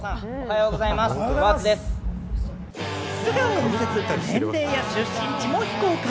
素顔を見せず、年齢や出身地も非公開。